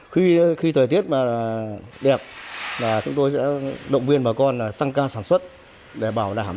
khi thời tiết đẹp chúng tôi sẽ động viên bà con tăng ca sản xuất để bảo đảm